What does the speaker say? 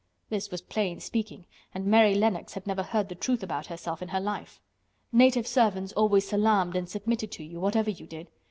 This was plain speaking, and Mary Lennox had never heard the truth about herself in her life. Native servants always salaamed and submitted to you, whatever you did.